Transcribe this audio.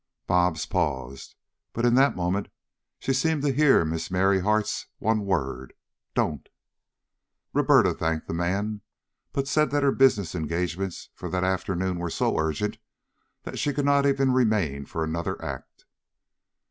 Bobs paused, but in that moment she seemed to hear Miss Merryheart's one word: "Don't!" Roberta thanked the man, but said that her business engagements for that afternoon were so urgent that she could not even remain for another act.